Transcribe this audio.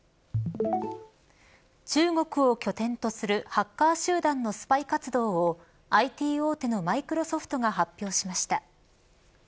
中国を拠点とするハッカー集団のスパイ活動をＩＴ大手のマイクロソフトが発表しました。